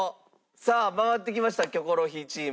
さあ回ってきましたキョコロヒーチーム。